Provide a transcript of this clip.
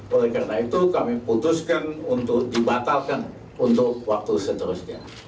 oleh karena itu kami putuskan untuk dibatalkan untuk waktu seterusnya